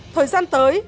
thời gian tới